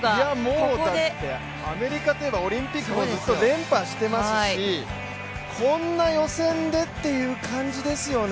もうアメリカといえばオリンピックもずっと連覇していますしこんな予選でっていう感じですよね。